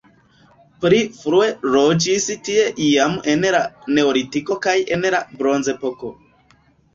Pli frue loĝis tie jam en la neolitiko kaj en la bronzepoko.